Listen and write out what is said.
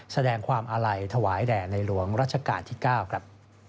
แสดงความอาลัยถวายแด่ในหลวงรัชกาลที่๙ครับ